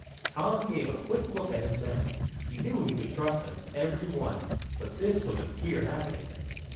Tom gave a quick look at his men. He knew he could trust them every one. But this was a queer happening.